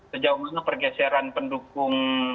sejauh mana pergeseran pendukung